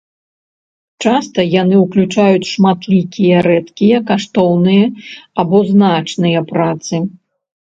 Часта яны ўключаюць шматлікія рэдкія, каштоўныя, або значныя працы.